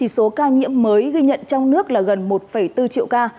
số ca nhiễm mới ghi nhận trong nước là gần một bốn triệu ca